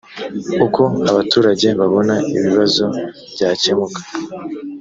uko abaturage babona ibibazo byakemuka